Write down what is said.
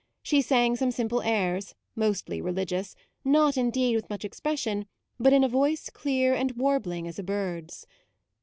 She sang some simple airs, mostly religious, not in deed with much expression, but in a voice clear and warbling as a bird's.